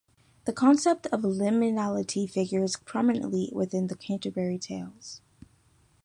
The concept of liminality figures prominently within "The Canterbury Tales".